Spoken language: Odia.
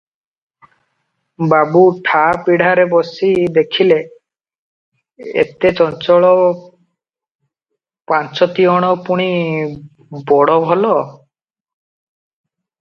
"ବାବୁ ଠା ପିଢାରେ ବସି ଦେଖିଲେ, ଏତେ ଚଞ୍ଚଳ ପାଞ୍ଚତିଅଣ, ପୁଣି ବଡ଼ ଭଲ ।